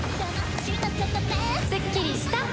スッキリした！